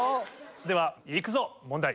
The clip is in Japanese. では行くぞ問題。